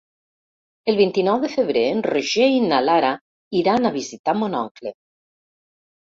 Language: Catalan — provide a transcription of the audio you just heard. El vint-i-nou de febrer en Roger i na Lara iran a visitar mon oncle.